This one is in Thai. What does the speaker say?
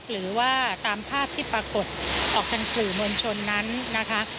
หรือว่าตามภาพที่ปรากฏออกทางสื่อมวลชนนั้นนะคะ